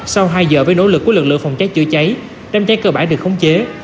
sau hai giờ với nỗ lực của lực lượng phòng cháy chữa cháy đám cháy cơ bản được khống chế